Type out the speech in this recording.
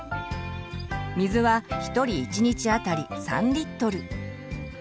水は１人１日あたり３リットル。